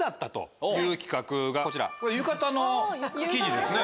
浴衣の記事ですね。